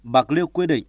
bạc liêu quy định